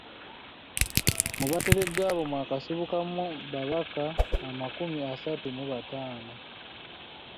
Mu Bateregga abo mwakasibukamu Bakabaka amakumi asatu mu bataano.